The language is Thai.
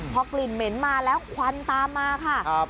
พอกลิ่นเหม็นมาแล้วควันตามมาค่ะ